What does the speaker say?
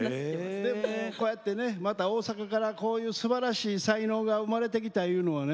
でもこうやってねまた大阪からこういうすばらしい才能が生まれてきたいうのはね